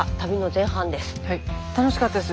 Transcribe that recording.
楽しかったです。